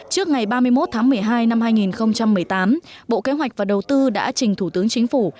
trước ngày ba mươi một tháng một mươi hai năm hai nghìn một mươi tám bộ kế hoạch và đầu tư đã trình thủ tướng chính phủ